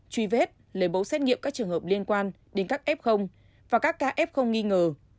truy vết lấy mẫu xét nghiệm các trường hợp liên quan đến các f và các ca f nghi ngờ